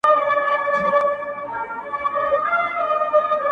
دا خو ددې لپاره!!